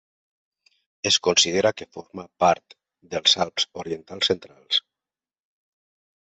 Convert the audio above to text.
Es considera que forma part dels Alps orientals centrals.